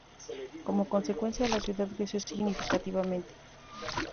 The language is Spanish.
Como consecuencia, la ciudad creció significativamente.